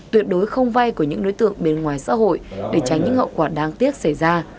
tuyệt đối không vay của những đối tượng bên ngoài xã hội để tránh những hậu quả đáng tiếc xảy ra